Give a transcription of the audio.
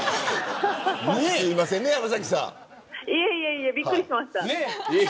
いえいえ、びっくりしました。